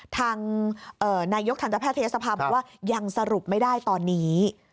ทางนายกทันตแพทยศภาบอกว่ายังสรุปไม่ได้ตอนนี้